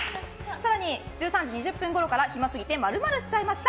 更に１３時２０分ごろから暇すぎて○○しちゃいました！